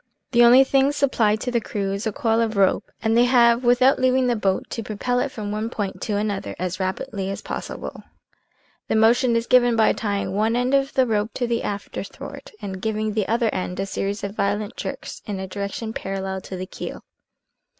" The only thing supplied to the crew is a coil of rope, and they have (without leaving the boat) to propel it from one point to another as rapidly as possible. The motion is given by tying one end of the rope to the afterthwart, and giving the other end a series of violent jerks in a direction parallel to the keel.